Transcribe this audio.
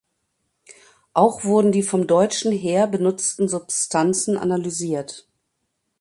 Auch wurden die vom Deutschen Heer benutzten Substanzen analysiert.